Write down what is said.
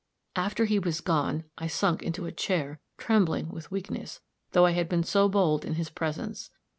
"After he was gone, I sunk into a chair, trembling with weakness, though I had been so bold in his presence.